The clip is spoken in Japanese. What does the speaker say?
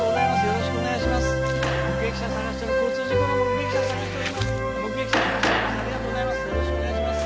よろしくお願いします